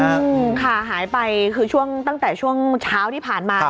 ค่ะหายไปคือช่วงตั้งแต่ช่วงเช้าที่ผ่านมา